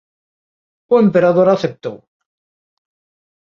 O Emperador aceptou.